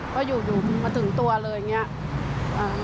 ก็อยู่มาถึงตัวเลยอย่างนี้